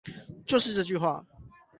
就是這句話